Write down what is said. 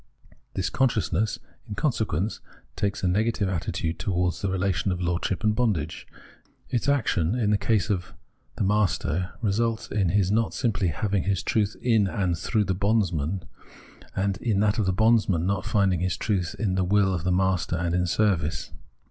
This consciousness in consequence takes a negative attitude towards the relation of lord ship and bondage. Its action, in the case of the master, results in his not simply having his truth in and through the bondsman ; and, in that of the bondsman, in not finding his truth in the will of his master and in service.